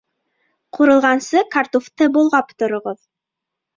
Ҡурылғансы картуфты болғап тороғоҙ